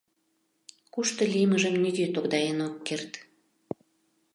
Кушто лиймыжым нигӧ тогдаен ок керт.